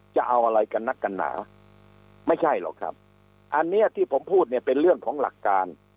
จะเอาอะไรกันนักกันหนาไม่ใช่หรอกครับอันนี้ที่ผมพูดเนี่ยเป็นเรื่องของหลักการ